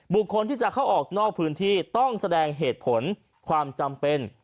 บุคคลที่จะเข้าออกนอกพื้นที่ต้องแสดงเหตุผลความจำเป็น